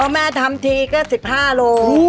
แม่ทำทีก็๑๕โล